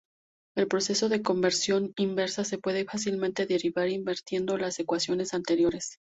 El proceso de conversión inversa se puede fácilmente derivar invirtiendo las ecuaciones anteriores.